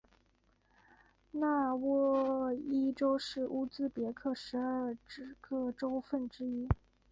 纳沃伊州是乌兹别克十二个州份之一。